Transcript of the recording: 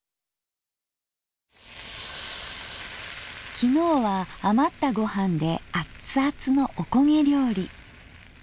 昨日は余ったごはんでアッツアツのおこげ料理。